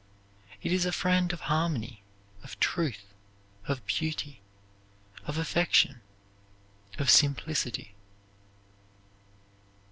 It is a friend of harmony, of truth, of beauty, of affection, of simplicity.